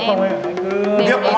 đúng không em